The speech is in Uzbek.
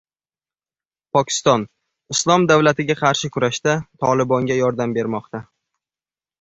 Pokiston “Islom davlati”ga qarshi kurashda Tolibonga yordam bermoqda